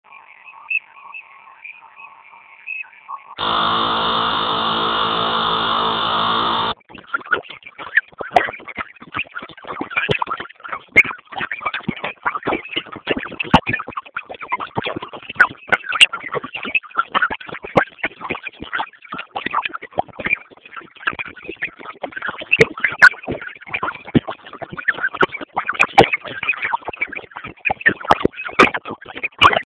Hii ni hadithi moja wapo ya ukweli wa kabila ya Kimaasai